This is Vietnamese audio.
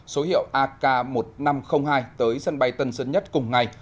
số hiệu ak một nghìn năm trăm linh hai tới sân bay tân sơn nhất cùng ngày